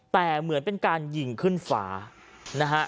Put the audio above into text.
แต่เหมือนเป็นการยิงขึ้นฝานะฮะ